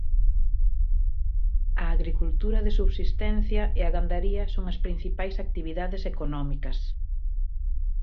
A agricultura de subsistencia e a gandaría son as principais actividades económicas.